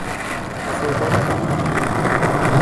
Silber gewann.